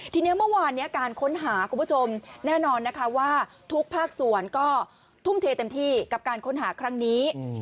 ทีนี้เมื่อวานนี้การค้นหาคุณผู้ชมแน่นอนนะคะว่าทุกภาคส่วนก็ทุ่มเทเต็มที่กับการค้นหาครั้งนี้